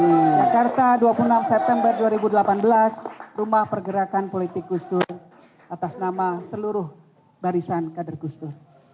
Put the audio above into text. jakarta dua puluh enam september dua ribu delapan belas rumah pergerakan politik kustur atas nama seluruh barisan kader kustur